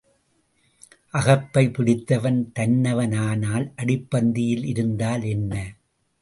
அகப்பை பிடித்தவன் தன்னவன் ஆனால், அடிப்பந்தியில் இருந்தால் என்ன?